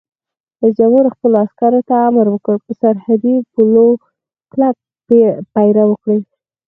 رئیس جمهور خپلو عسکرو ته امر وکړ؛ پر سرحدي پولو کلک پیره وکړئ!